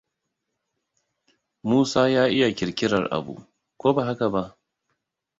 Musa ya iya kirkirar abu, ko ba haka ba?